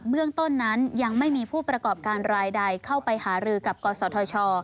เรื่องต้นนั้นยังไม่มีผู้ประกอบการรายใดเข้าไปหารือกับกศธช